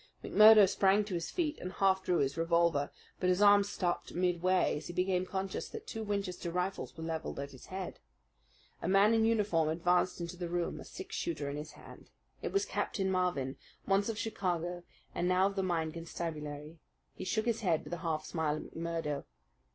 McMurdo sprang to his feet and half drew his revolver; but his arm stopped midway as he became conscious that two Winchester rifles were levelled at his head. A man in uniform advanced into the room, a six shooter in his hand. It was Captain Marvin, once of Chicago, and now of the Mine Constabulary. He shook his head with a half smile at McMurdo.